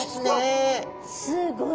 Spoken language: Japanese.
すごい！